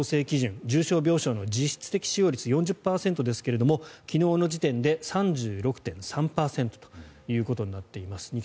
基準重症病床の実質的使用率４０％ですが昨日の時点で３６．３％ということになっています。